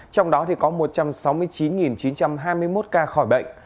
trong đó có một trăm sáu mươi chín chín trăm hai mươi một ca khỏi bệnh